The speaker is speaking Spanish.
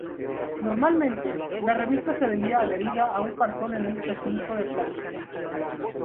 Normalmente, la revista se vendía adherida a un cartón en un precinto de plástico.